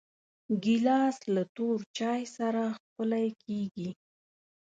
ګیلاس له تور چای سره ښکلی کېږي.